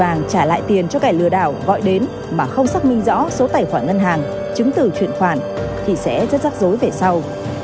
nếu bạn vội vàng trả lại tiền cho kẻ lừa đảo gọi đến mà không xác minh rõ số tài khoản ngân hàng chứng từ chuyển khoản thì sẽ rất rắc rối về sau